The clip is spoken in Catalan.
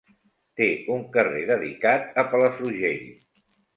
Té un carrer dedicat a Palafrugell.